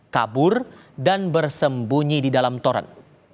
kabur dan bersembunyi di dalam torat